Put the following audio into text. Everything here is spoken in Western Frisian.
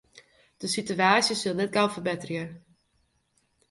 De sitewaasje sil net gau ferbetterje.